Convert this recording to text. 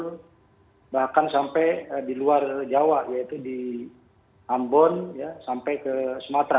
di jawa timur bahkan sampai di luar jawa yaitu di ambon sampai ke sumatera